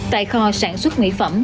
tại kho sản xuất mỹ phẩm